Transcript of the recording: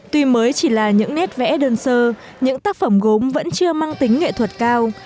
tuy mới chỉ là những nét vẽ đơn sơ những tác phẩm gốm vẫn chưa mang tính nghệ thuật cao